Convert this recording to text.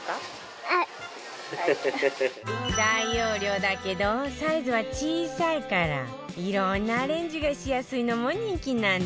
大容量だけどサイズは小さいからいろんなアレンジがしやすいのも人気なんだって